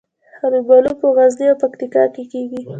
الوبالو په غزني او پکتیکا کې کیږي